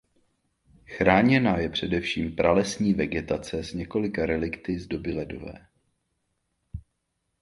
Chráněna je především pralesní vegetace s několika relikty z doby ledové.